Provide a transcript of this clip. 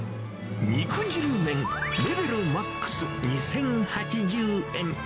肉汁麺レベルＭＡＸ２０８０円。